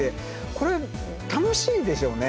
これ楽しいでしょうね。